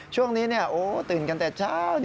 ช่วงนี้ตื่นกันแต่เช้า